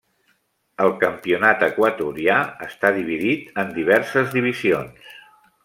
El campionat equatorià està dividit en diverses divisions.